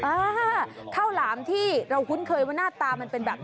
อ่าข้าวหลามที่เราคุ้นเคยว่าหน้าตามันเป็นแบบนี้